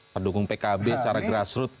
pendukung pkb secara grassroot